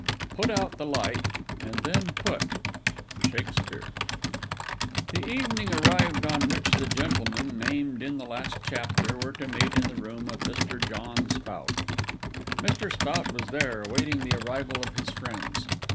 Put out the light, and then put. SHAKSPEARE. THE evening arrived on which the gentlemen, named in the last chapter, were to meet in the room of Mr. John Spout. Mr. Spout was there, awaiting the arrival of his friends.